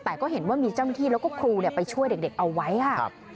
แต่ก็เห็นว่ามีเจ้าหน้าที่แล้วก็ครูไปช่วยเด็กเอาไว้ค่ะ